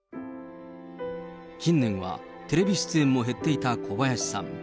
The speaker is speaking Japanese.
近年はテレビ出演も減っていた小林さん。